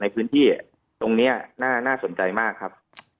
ในพื้นที่ตรงนี้น่าสนใจมากครับ